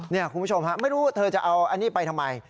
นี่คุณผู้ชมฮะไม่รู้เธอจะเอาอันนี้ไปทำไม